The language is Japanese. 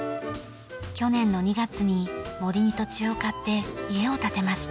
去年の２月に森に土地を買って家を建てました。